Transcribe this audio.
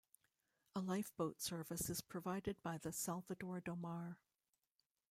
A lifeboat service is provided by the "Salvador do Mar".